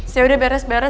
saya udah beres beres